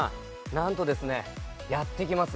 なんとですねやってきます